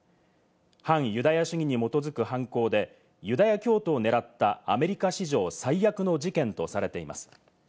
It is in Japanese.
反ユダヤ主義に基づく犯行で、ユダヤ教徒を狙ったアメリカ史上最悪の事件とされています。